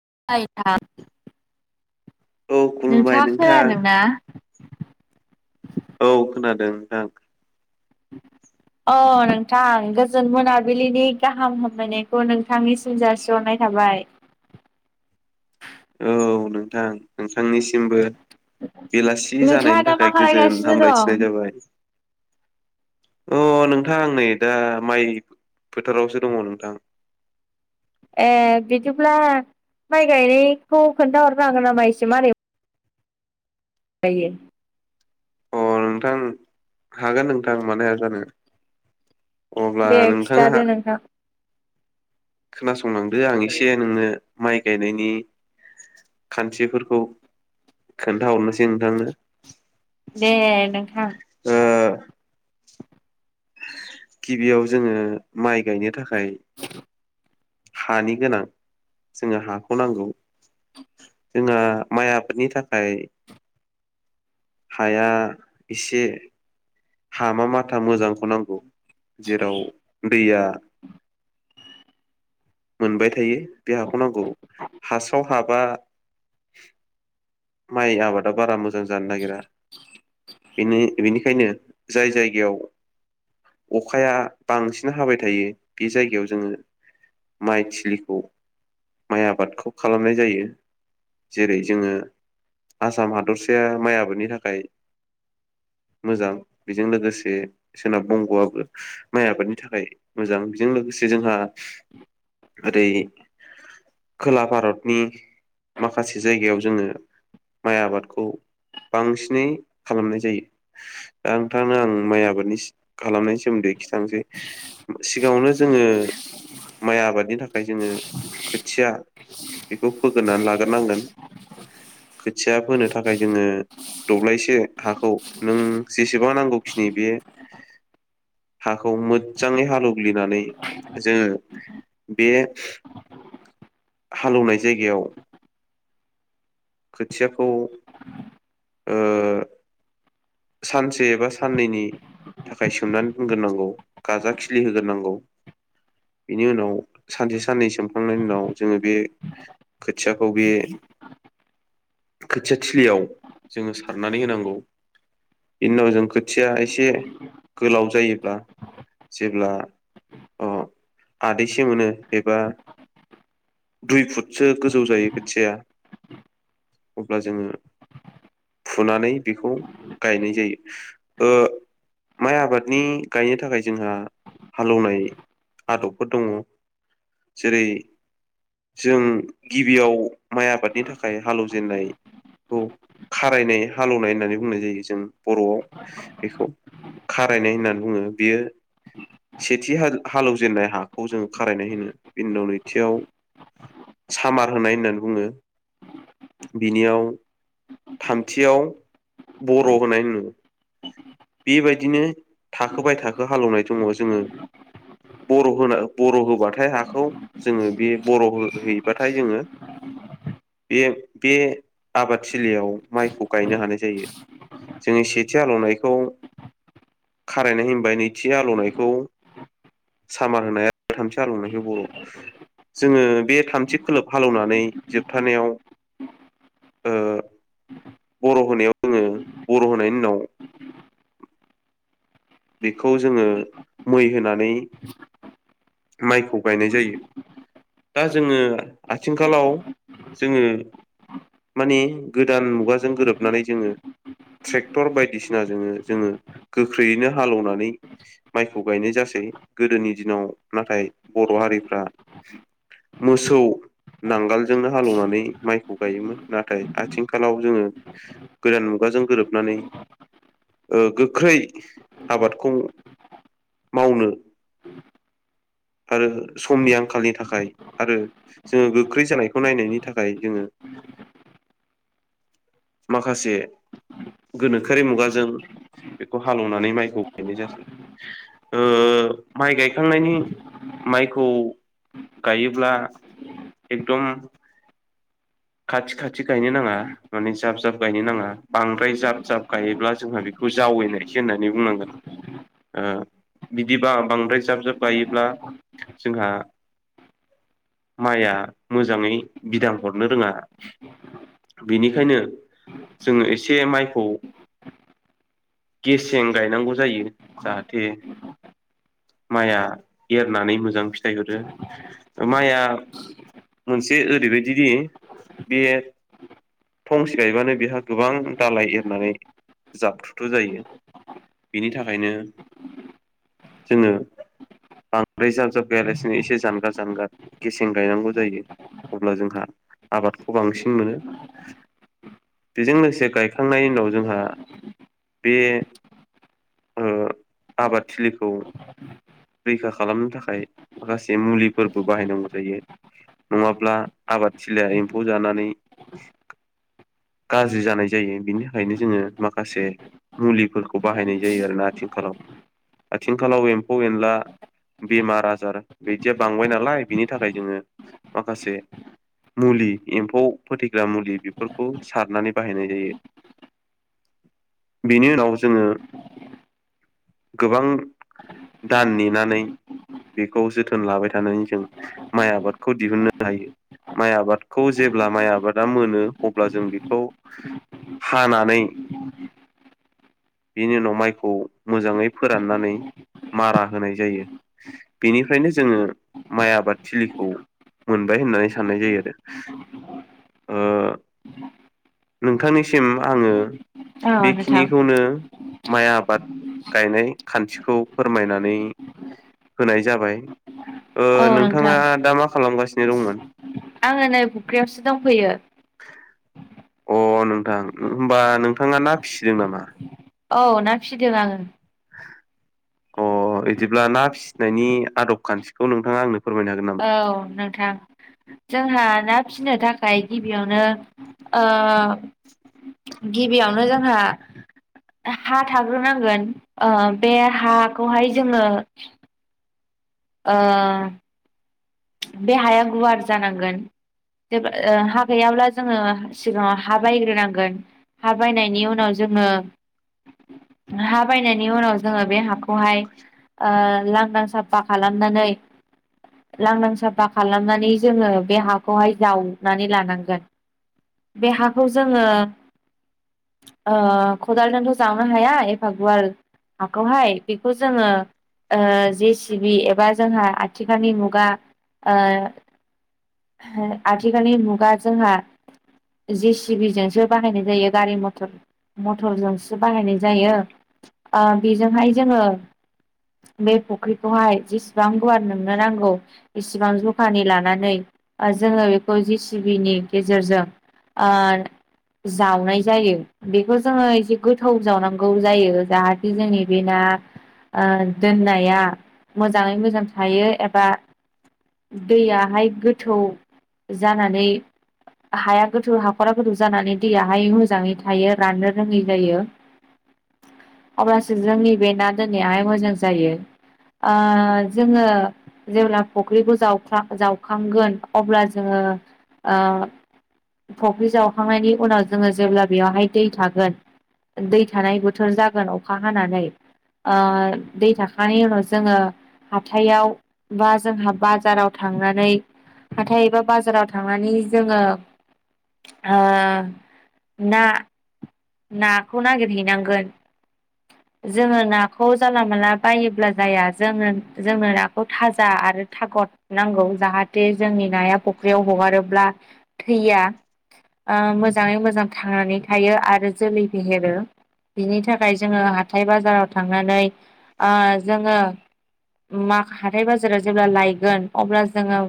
[unintelligible] औ खुलुमबाय नोंथाङा नोंथां खोनादों ना? औ खोनादों नोंथां। [inaudible] अ नोंथां गोजोन मोनाबिलिनि गाहाम हामलायनायखौ नोंथांनिसिम जासिहरनाय थाबाय औ नोंथां नोंथांनिसिमबो बेलासि नोंथाङा जानायनि दा मा थाखाय गोजोन खालायगासिनो हामलायथिनाय दं? जाबाय। अ नोंथां आं नै दा माइ फोथारावसो दङ नोंथां। [inaudible] ए बिदिब्ला माइ गायनायखौ खोन्थाहरनो हागोन नामा एसे मारै जायो अ नोंथां हागोन नोंथां मानो हाया जानो। अब्ला दे नोंथाङा खिथादो नोंथां। खोनासंलांदो आं एसे नोंनो माइ गायनायनि खान्थिफोरखौ खोन्थाहरनोसै नोंथांनो। दे नोंथां। ओ गिबियाव जोङो माइ गायनो थाखाय हानि गोनां जोंनो हाखौ नांगौ। जोंहा माइ आबादनि थाखाय हाया एसे हामा माथा मोजांखौ नांगौ जेराव दैया मोनबाय थायो बे हाखौ नांगौ हासाव हाबा माइ आबादा बारा मोजां जानो नागिरा बेनि बेनिख नो जाय जायगायाव अखाया बांसिन हाबाय थायो बे जायगायाव जोङो माइथिलिखौ माइ आबादखौ खालामनाय जायो जेरै जोङो आसाम हादरसाया माइ आबादनि थाखाय [inaudible] मोजां बेजों लोगोसे सोनाब बंग'आबो माइ आबादनि थाखाय मोजां बेजों लोगो जोंहा ओरै खोला भारतनि माखासे जायगायाव जोङो माइ आबादखौ बांसिनै खालामनाय जायो दा नोंथां आं माइ आबादनि खालामनायनि सोमोन्दै खिथानसै सिगाङावनो जोङो माइ आबादनि था खाय जोङो खोथिया बेखौ फोग्रोननानै लाग्रोनांगोन। खोथिया फोनो थाखाय जोङो दब्लायसे हाखौ नों जे सेबां नांगौखिनि बे हाखौ मोजाङै हालौग्लिनानै जोङो बे हालौनाय जायगायाव खोथियाखौ ओ सानसे एबा साननैनि थाखाय सोमनानै दोनग्रोनांगौ गाजा खिलि होग्रोनांगौ। बेनि उनाव सानसे साननै सोमखांनायनि उनाव जोङो बे खोथियाखौ बे अ खोथिया थिलियाव जोङो सारनानै होनांगौ बिनि उनाव जों खोथिया एसे गोलाव जायोब्ला जेब्ला अ आदैसे मोनो एबा दुइ फुटसो गोजौ जायो खोथिया अब्ला जोङो फुनानै बेखौ गायनाय जायो ओ माइ आबादनि गायनो थाखाय जोंहा हालेवनाय आदबफोर दङ जेरै जों गिबियाव माइ आबादनि थाखाय हालेवजेननाय खौ खारायनाय हालौवनाय होननानै बुंनाय जायो जों बर'वाव बेखौ खारायनाय होननानै बुङो बेयो सेथि हालेवजेननाय हाखौ जोंङो खारायनाय होनो बिनि उनाव नैथियाव सामार होनाय होननानै बुङो बिनियाव थामथियाव बर' होनाय होनो बेबायदिनो थाखो बाय थाखो हालेवनाय दङ जोङो बर' होना बर' होबाथाय हाखौ जोङो बे बर' हैबाथाय जोङो बे बे आबादथिलियाव माइखौ गायनो हानाय जायो जोङनि सेथि हालौनायखौ खारायनाय होनबाय नैथि हालौनायखौ सामार होनाय थामथि हालौनायखौ बर' जोङो बे थामथि खोलोब हालेवनानै जोबथानायाव बर' होनायाव जोङो बर' होनायनि उनाव बेखौ जोङो मै होनानै माइखौ गायनाय जायो दा जोङो आथिखालाव जोङो माने गोदान मुगाजों गोरोबनानै जोङो ट्रेक्टर बायदिसिना जोङो जोङो गोख्रैयैनो हालेवनानै माइखौ गायनाय जासै गोदोनि दिनाव नाथाय बर' हारिफ्रा मोसौ नांगालजोंनो हालेवनानै माइखौ गायोमोन नाथाय आथिंखालाव जोङो गोदान मुगानि जों गोरोबनानै गोख्रै आबादखौ मावनो [inaudible] आरो समनि आंखालनि थाखाय आरो जोङो गोख्रै जानायखौ नायनायनि थाखाय जोङो [inaudible] माखासे गोनोखोआरि मुगाजों बेखौ हालौवनानै माइ गायनाय जासै ओ माइ गायखांनायनि माइखौ गायोब्ला एकदम खाथि खाथि गायनो नाङा माने जाब जाब गायनो नाङा बांद्राय जाब जाब गायोब्ला जोंहा बे बेखौ जावैनायसो होननानै बुंनांगोन ओ बिदिबा बांद्राय जाब जाब गायोब्ला जोंहा माइआ मोजाङै बिदां हरनो रोङा बेनिखायनो जोङो एसे माइखौ गेसें गायनांगौ जायो जाहाथे माइआ एरनानै मोजां फिथाइ हरो माइआ मोनसे ओरैबायदिदि बे थंसे गायबानो बेहा गोबां दालाय एरनानै जाबथुथु जायो बेनि थाखायनो जोङो बांद्राय जाब जाब गायालासिनो एसे जानगार जानगार गेसें गायनांगौ जायो अब्ला जोंहा आबादखौ बांसिन मोनो बेजों लोगोसे गायखांनायनि उनाव जोंहा बे ओ आबादथिलिखौ रैखा खालामनो थाखाय माखासे मुलिफोरबो बाहायनांगौ जायो नङाब्ला आबाद थलिया एम्फौ जानानै गाज्रि जानाय जायो बिनि थाखायनो जोङो माखासे मुलि फोरखौ बाहायनानाय जायो आरोना आथिंखालाव आथिंखालाव एमफौ एन ला बेमार आजार बिदिया बांबाय नालाय बिनि थाखाय जोङो माखासे मुलि एम्फौ फोथैग्रा मुलि बेफोरखौ सारनानै बाहायनाय जायो बेनि उनाव जोङो गोबां दान नेनानै बेखौ जोथोन लाबाय थानानै जों माइ आबादखौ दिहुननो हायो माइ आबादखौ जेब्ला माइ आबादा मोनो अब्ला जों बेखौ हानानै बेनि उनाव माइखौ मोजाङै फोराननानै मारा होनाय जायो बेनिफ्रायनो जोङो माइ आबाद थिलिखौ मोनबाय होननानै साननाय जायो आरो ओ [unintelligible] नोंथांनिसिम आङो औ नोंथां बेखिनिखौनो माइ आबाद गायनाय खान्थिखौ फोरमायनानै होनाय जाबाय ओ औ नोंथां नोंथाङा दा मा खालामगासिनो दंमोन आङो नै फुख्रियावसो दंफैयो अ नोंथां होमबा नोंथाङा ना फिसिदों नामा औ ना फिदों आङो अ बिदिब्ला ना फिसिनायनि आदब खान्थिखौ नोंथाङा आंनो फोरमायनो हागोन नामा? औ नोंथां जोंहा ना फिननो थाखाय गिबियावनो ओ गिबियावनो जोंहा हा थाग्रोनांगोन ओ बे हाखौहाय जोङो ओ बे हाया गुवार जानांगोन जे हा गैयाब्ला जोङो सिगाङाव हा बायग्रोनांगोन हा बायनायनि उनाव जोङो हा बायनायनि उनाव जोङो बे हाखौ खौहाय ओ लांदां साफा खालामनानै लांदां साफा खालामनानै जोङो बे हाखौहाय जावनानै लानांगोन बे हाखौ जोङो ओ खदालजोंथ' जावनो हाया एफा गुवार हाखौहाय बेखौ जोङो ओ जे सिबि एबा जोंहा आथिखालनि मु गा ओ हो आथिखालनि मुगा जोंहा जे सिबिजोंसो बाहायनाय जायो गारि मटर मटरजोंसो बाहायनाय जायो ओ बेजोंहाय जोङो बे फुख्रिखौहाय जेसेबां गुवार नोंनो नांगौ इसिबां जखानि लानानै ओ जोङो बेखौ जि सिबिनि गेजेरजों आ जावनाय जायो बेखौ जोङो एसे गोथोव जावनांगौ जायो जाहाथे जोंनि बे ना ओ दोननाया मोजाङै मोजां थायो एबा दैयाहाय गोथौ जानानै हाया गोथौ हाखरा गोथौ जानानै दैयाहाय मोजाङै थायो राननो रोङै जायो अब्लासो जोंनि बे ना दोननायाहाय मोजां जायो ओ जोङो जेब्ला फुख्रिखौ जावख्ला जावखांगोन अब्ला जोङो फख्रि जावखांनायनि उनाव जोङो जेब्ला बेवहाय दै थागोन दै थानाय बोथोर जागोन अखा हानानै दै थाखानायनि उनाव जोङो हाथायाव बा जोंहा बाराव थांनानै हाथाय एबा बाजाराव थांनानै जोङो ओ ना नाखौ नागिरहैनांगोन जोङो नाखौ जानला माला बायोब्ला जाया जो जोंनो नाखौ थाजा आरो आरो थाखकर नांगौ जाहाथे जोंनि नाया फुख्रियाव हगारोब्ला थैया मोजाङै मोजां थांनानै थायो आरो जोलै फेहेरो बिनि थाखाय जोङो हाथाय बाजाराव थांनानै जोङो मा हाथाय बाजारा जेब्ला लायगोन अब्ला जोङो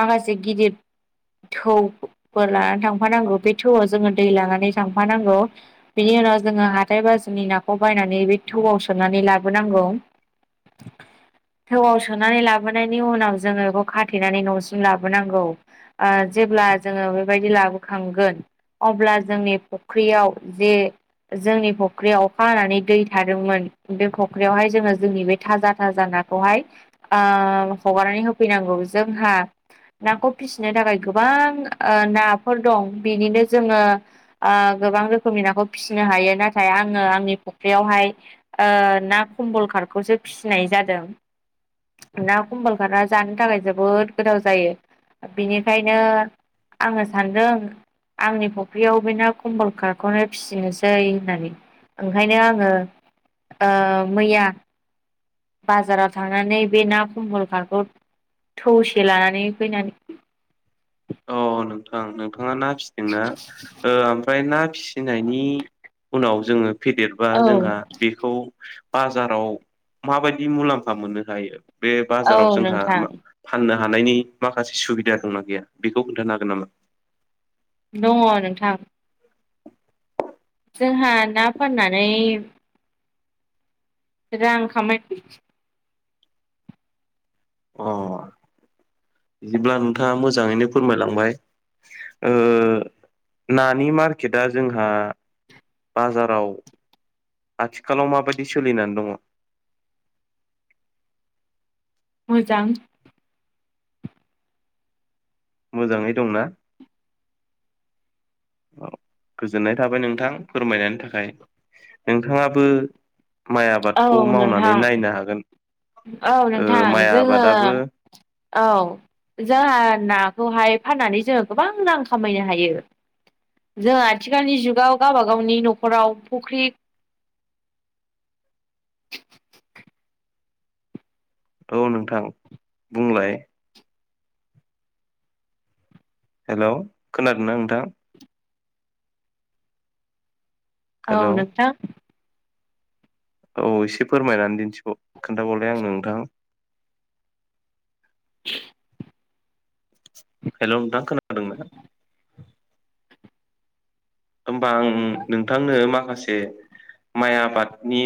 माखासे गिदिर थौफोर लानानै थांफानांगौ बे थौआव जोङो दै लानानै थां नांगौ बिनि उनाव जोङो हाथाय बाजारनि नाखौ बायनानै बे थौआव सोनानै लाबोनांगौ [inaudible] थौआव सोनानै लाबोनायनि उनाव जोङो बेखौ खाथेनानै न'सिम लाबोनांगौ जेब्ला जोङो बेबायदि लाबोखांगोन अब्ला जोंनि फुख्रियाव जे जोंनि फख्रियाव अखा हानानै दै थादोंमोन बे फख्रियावहाय जोङो जोंनि बे थाजा थाजा खौहाय हगारनानै होफैनांगौ जोंहा नाखौ फिसिनो थाखाय गोबां नाफोर दं बिनिनो जोङो ओ गोबां रोखोमनि नाखौ फिसिनो हायो नाथाय आङो आंनि फुख्रियावहाय ना खम्बल खालाम खौसो फिसिनाय जादों ना कम्बल खारना जानो थाखाय जोबोद गोथाव जायो बिनिखायनो आङो सानदों आंनि फुख्रियाव बे ना कम्बल खारखौनो फिसिनोसै होननानै ओंखायनो आङो मैया बाजाराव थांनानै बे ना कमबल कारखौ थौसे लानानै फैनानै औ नोंथां नोंथाङा ना फिसिदोंना ओमफ्राय ना फिसिनायनि उनाव जोङो फेदेरबा औ जोंहा बेखौ बाजाराव माबायदि मुलाम्फा मोननो हायो बे बाजाराव औ जोंहा नोंथां फाननो हानायनि माखासे सुबिदा दंना गैया बेखौ खोन्थानो हागोन नामा दङ नोंथां जोंहा ना फाननानै रां खामायै अ [inaudible] बिदिब्ला नोंथाङा मोजाङैनो फोरमायलांबाय नानि मार्केटआ जोंहा बाजाराव आथिखालाव माबायदि सोलिनानै दङ [inaudible] मोजां मोजाङै दंना औ [inaudible] गोजोननाय थाबाय नोंथां फोरमायनायनि थाखाय नोंथाङाबो माइ औ आबादखौ मावनानै नोंथां नायनो हागोन औ ओ नोंथां माइ जोङो आबादाबो औ जोंहा ना खौहाय फाननानै जोङो गोबां रां खामायनो हायो जों आथिखालनि जुगाव गावबा गावनि न'खराव फुख्रि [inaudible] औ नोंथां बुंलाय हेल' खोनादोंना नोंथां? औ हेलौ नोंथां औ एसे फोरमायनानै दिन्थिबाव खोन्थाबावलाय आंनो नोंथां हेल' नोंथां खोनादों ना? होमबा आं नोंथांनो माखासे माइ आबादनि